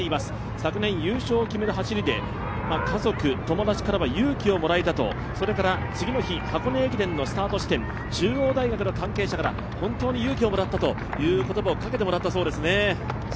昨年優勝を決める走りで、家族、友達からは勇気をもらえたと、それから次の日箱根のスタート地点、中央大学の関係者から本当に勇気をもらったという言葉をかけてもらったそうですね。